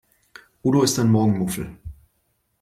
Udo ist ein Morgenmuffel.